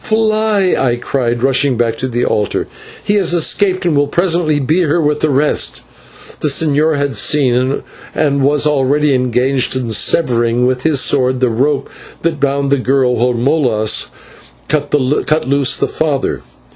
"Fly," I cried, rushing back to the altar, "he has escaped, and will presently be here with the rest." The señor had seen, and already was engaged in severing with his sword the rope that bound the girl, while Molas cut loose her father.